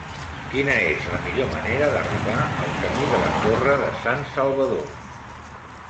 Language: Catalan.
Quina és la millor manera d'arribar al camí de la Torre de Sansalvador?